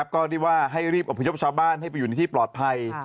ก็เรียกว่าให้รีบอบพยพชาวบ้านให้ไปอยู่ในที่ปลอดภัย